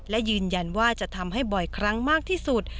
และยืนยันว่าจะทำให้บ่อยครั้งมากที่สุด